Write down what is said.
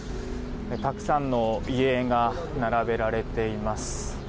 たくさんの遺影が並べられています。